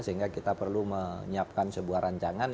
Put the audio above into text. sehingga kita perlu menyiapkan sebuah rancangan